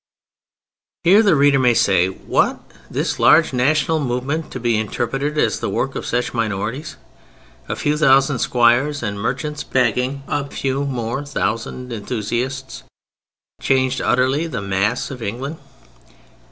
Here the reader may say: "What! this large national movement to be interpreted as the work of such minorities? A few thousand squires and merchants backing a few more thousand enthusiasts, changed utterly the mass of England?"